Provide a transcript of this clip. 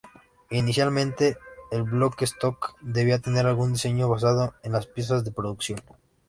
Inicialmente, el "bloque-stock" debía tener algún diseño basado en las piezas de producción.